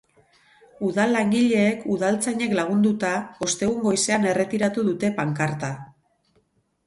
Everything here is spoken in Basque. Udal langileek, udaltzainek lagunduta, ostegun goizean erretiratu dute pankarta.